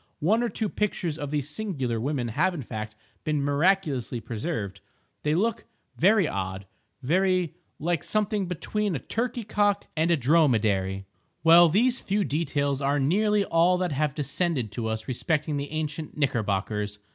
One or two pictures of these singular women have in fact, been miraculously preserved. They look very odd, very—like something between a turkey cock and a dromedary. Well, these few details are nearly all that have descended to us respecting the ancient Knickerbockers.